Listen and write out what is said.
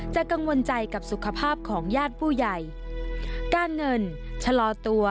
กังวลใจกับสุขภาพของญาติผู้ใหญ่การเงินชะลอตัว